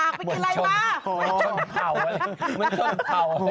มันช่วงเผ่าเลยมันช่วงเผ่าเลย